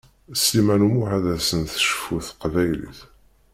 Sliman d Muḥend ad asen-tecfu teqbaylit.